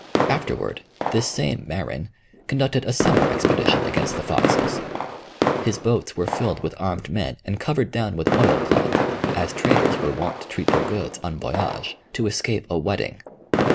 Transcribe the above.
Afterward, this same Marin conducted a summer expedition against the Foxes. His boats were filled with armed men and covered down with oilcloth, as traders were wont to treat their goods en voyage, to escape a wetting.